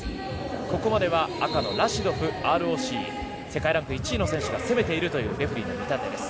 ここまでは赤のラシドフＲＯＣ世界ランク１位の選手が攻めているというレフェリーの見立てです。